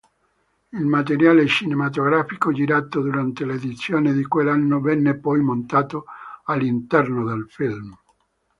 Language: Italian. Il materiale cinematografico girato durante l'edizione di quell'anno venne poi montato all'interno del film.